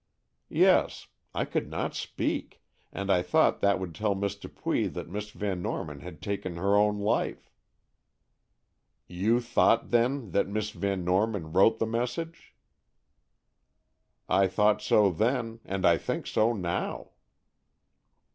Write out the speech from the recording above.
"Yes; I could not speak, and I thought that would tell Miss Dupuy that Miss Van Norman had taken her own life." "You thought, then, that Miss Van Norman wrote the message?" "I thought so then—and I think so now."